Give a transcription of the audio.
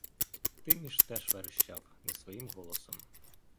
Тиміш теж верещав не своїм голосом.